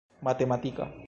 matematika